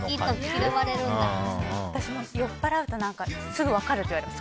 私も酔っぱらうとすぐ分かるって言われます。